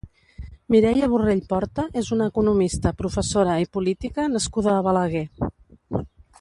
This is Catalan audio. Mireia Borrell Porta és una economista, professora i política nascuda a Balaguer.